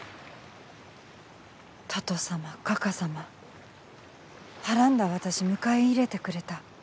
とと様かか様はらんだ私迎え入れてくれた。